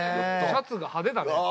シャツが派手だから！